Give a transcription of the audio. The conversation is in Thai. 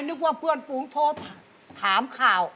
นึกว่าเพื่อนฝูงโทรถามข่าว